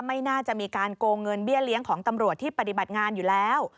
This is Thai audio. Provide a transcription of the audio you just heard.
ไม่น่าจะมีการโกงเงินเบี้ยเลี้ยงของตำรวจที่ปฏิบัติงานอยู่แล้ว